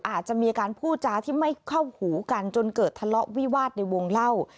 อาจจะมีอาการพูดจาที่ไม่เข้าหูกันจนเกิดทะเลาะวิวาสในวงเล่า